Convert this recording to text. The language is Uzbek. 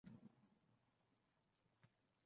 Endi nima bo'ldi?